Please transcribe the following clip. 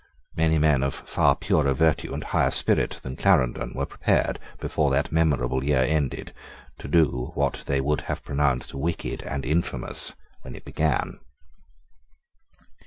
Many men of far purer virtue and higher spirit than Clarendon were prepared, before that memorable year ended, to do what they would have pronounced wicked and infamous when it began.